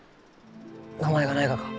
名前がないがか？